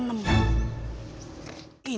ini mobil bang muhyiddin